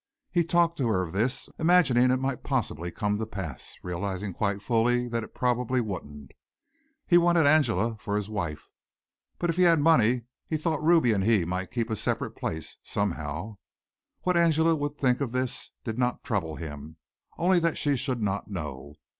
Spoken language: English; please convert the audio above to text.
He talked to her of this imagining it might possibly come to pass realizing quite fully that it probably wouldn't. He wanted Angela for his wife, but if he had money he thought Ruby and he might keep a separate place somehow. What Angela would think of this did not trouble him only that she should not know.